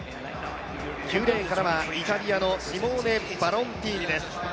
９レーンからはイタリアのシモーネ・バロンティーニです。